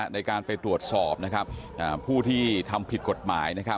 ในการไปตรวจสอบผู้ที่ทำผิดกฎหมาย